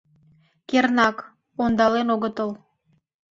— Кернак, ондален огытыл...